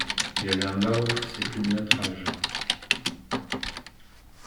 il y avait un barouf, c’est plus de notre âge.